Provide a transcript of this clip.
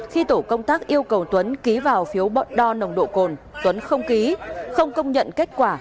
khi tổ công tác yêu cầu tuấn ký vào phiếu đo nồng độ cồn tuấn không ký không công nhận kết quả